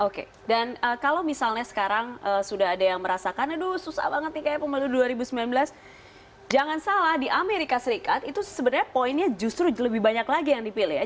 oke dan kalau misalnya sekarang sudah ada yang merasakan aduh susah banget nih kayak pemilu dua ribu sembilan belas jangan salah di amerika serikat itu sebenarnya poinnya justru lebih banyak lagi yang dipilih ya